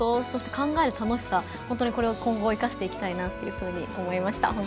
そして考える楽しさ、これを今後生かしていきたいなと思いました。